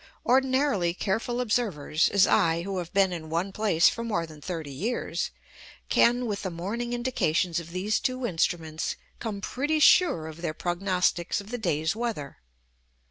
Ordinarily careful observers as I, who have been in one place for more than thirty years can, with the morning indications of these two instruments, come pretty sure of their prognostics of the day's weather.